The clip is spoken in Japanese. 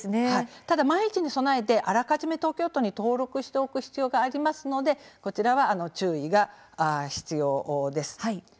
ただ万一に備えてあらかじめ東京都に登録しておく必要がありますのでこちらは注意が必要です。